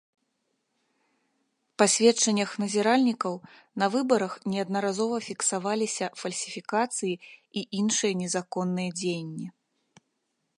Па сведчаннях назіральнікаў, на выбарах неаднаразова фіксаваліся фальсіфікацыі і іншыя незаконныя дзеянні.